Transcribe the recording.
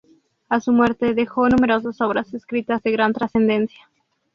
A su muerte dejó numerosas obras escritas de gran trascendencia.